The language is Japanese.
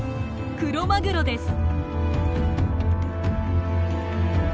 クロマグロです。